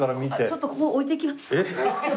ちょっとここ置いていきます。